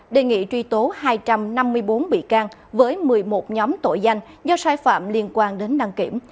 đề nghị truy tố hai trăm năm mươi bốn bị can với một mươi một nhóm tội danh do sai phạm liên quan đến đăng kiểm